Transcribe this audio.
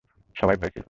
সবাই ভয়ে ছিল।